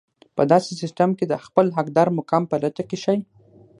په داسې سيستم کې د خپل حقدار مقام په لټه کې شئ.